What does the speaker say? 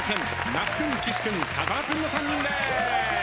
那須君岸君風間君の３人です。